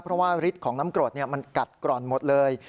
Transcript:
เพราะว่าฤทธิ์ของน้ำกรดมันกัดกร่อนหมดเลย